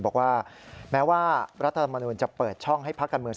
บอกว่าแม้ว่ารัฐธรรมนูลจะเปิดช่องให้พักการเมือง